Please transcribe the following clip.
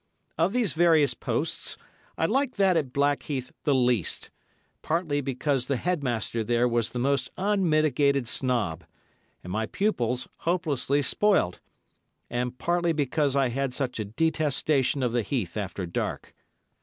Of these various posts, I liked that at Blackheath the least, partly because the headmaster there was the most unmitigated snob, and my pupils hopelessly spoilt, and partly because I had such a detestation of the heath after dark.